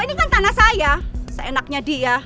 ini kan tanah saya seenaknya dia